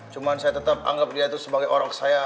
cuma saya tetap anggap dia itu sebagai orang saya